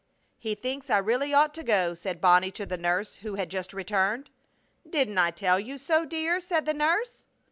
"He thinks I really ought to go," said Bonnie to the nurse, who had just returned. "Didn't I tell you so, dear?" said the nurse.